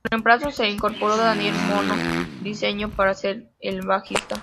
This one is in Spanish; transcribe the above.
En su reemplazo, se incorporó Daniel "Mono" Briceño para ser el bajista.